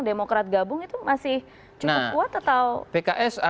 demokrat gabung itu masih cukup kuat atau pks